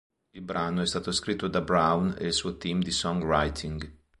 Il brano è stato scritto da Brown e il suo team di songwriting.